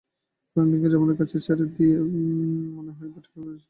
ফ্র্যাঙ্কলিনকে জার্মানদের কাছে ছেড়ে দিয়ে মনে হয় ঠিকই করেছো।